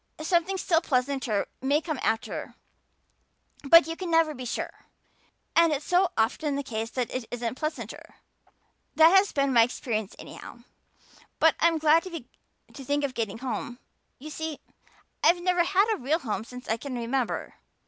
Something still pleasanter may come after, but you can never be sure. And it's so often the case that it isn't pleasanter. That has been my experience anyhow. But I'm glad to think of getting home. You see, I've never had a real home since I can remember.